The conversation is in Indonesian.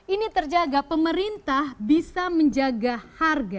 ini terjaga pemerintah bisa menjaga harga